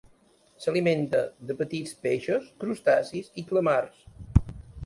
S'alimenta de petits peixos, crustacis i calamars.